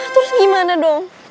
terus gimana dong